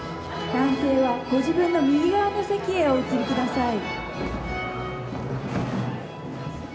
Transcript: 男性はご自分の右側の席へお移りください